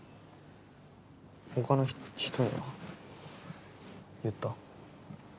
他の人には言った？